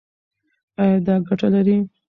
ایا دا ګټه لري؟